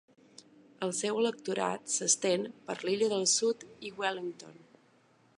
El seu electorat s'estén per l'illa del Sud i Wellington.